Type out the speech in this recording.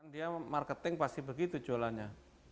dia marketing pasti begitu jualannya